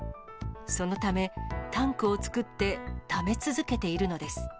そのためタンクを作って、ため続けているのです。